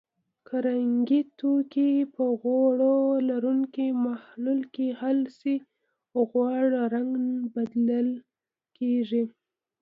که رنګي توکي په غوړ لرونکي محلل کې حل شي غوړ رنګ بلل کیږي.